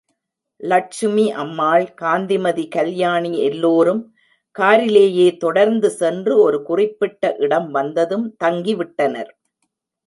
லட்சுமி அம்மாள், காந்திமதி கல்யாணி எல்லோரும் காரிலேயே தொடர்ந்து சென்று ஒரு குறிப்பிட்ட இடம் வந்ததும் தங்கி விட்டனர்.